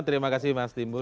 terima kasih mas timbul